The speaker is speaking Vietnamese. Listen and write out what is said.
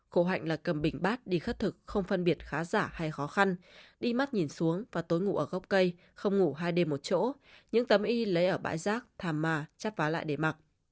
khổ hạnh là cầm bình bát đi khất thực không phân biệt khá giả hay khó khăn đi mắt nhìn xuống và tối ngủ ở góc cây không ngủ hai đêm một chỗ những tấm y lấy ở bãi giác thàm mà chắt vá lại để mặc